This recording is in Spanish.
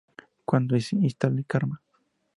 Cuando "Instant Karma!